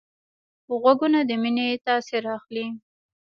غوږونه د مینې تاثر اخلي